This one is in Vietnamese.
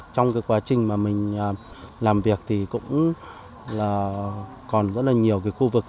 trong quá trình mà mình làm việc thì cũng còn rất là nhiều khu vực